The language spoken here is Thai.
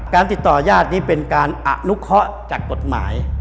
ติดต่อญาตินี่เป็นการอนุเคาะจากกฎหมาย